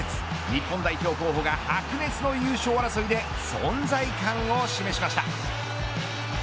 日本代表候補が白熱の優勝争いで存在感を示しました。